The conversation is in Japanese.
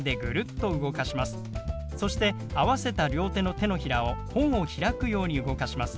そして合わせた両手の手のひらを本を開くように動かします。